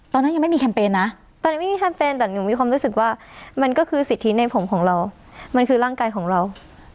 ตอนนั้นยังไม่มีแคมเปญนะตอนนี้ไม่มีแคมเปญแต่หนูมีความรู้สึกว่ามันก็คือสิทธิในผมของเรามันคือร่างกายของเรา